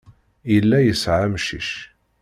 Yella yesɛa amcic.